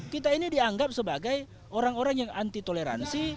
kita ini dianggap sebagai orang orang yang anti toleransi